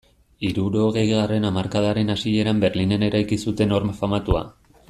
Hirurogeigarren hamarkadaren hasieran Berlinen eraiki zuten horma famatua.